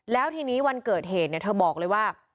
แล้วทีนี้วันเกิดเหตุเธอบอกเลยว่า